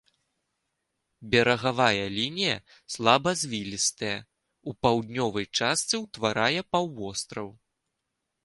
Берагавая лінія слабазвілістая, у паўднёвай частцы ўтварае паўвостраў.